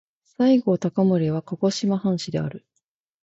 西郷隆盛は鹿児島藩士である。